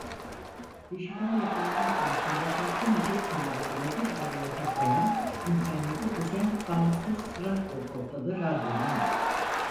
Dijital yapılanma konusunda farklı müzik temalarını bir araya toplayan internete özel bağımsız radyo portalı Radyonom.